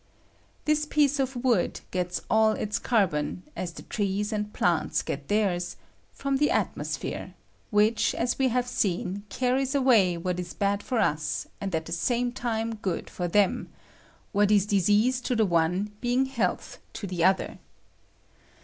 This piece of wood gets all its carbon, as the trees and plants get theirs, from the atmosphere, which, as we have seen, carries away what is bad for us and at the same time good for them — what is disease to the one be ing health to the other.